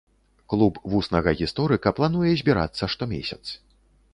Клуб вуснага гісторыка плануе збірацца штомесяц.